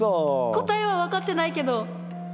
答えは分かってないけどあの。